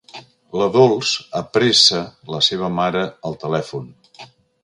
La Dols apressa la seva mare al telèfon.